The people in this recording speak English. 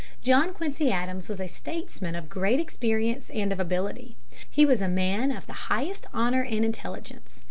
John Quincy Adams was a statesman of great experience and of ability. He was a man of the highest honor and intelligence.